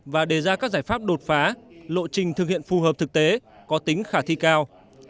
và đề ra các giải pháp đột phá lộ trình thực hiện phù hợp thực tế có tính khả thi cao